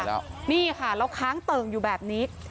คุณต่างแล้วนี่ค่ะเราค้างเติมอยู่แบบนี้